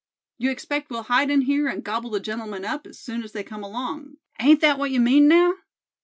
You expect we'll hide in here, and gobble the gentlemen up as soon as they come along; ain't that what you mean, now?"